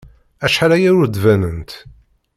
Acḥal aya ur d-banent.